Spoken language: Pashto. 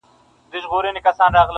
o خپل ترمنځه له یو بل سره لوبېږي,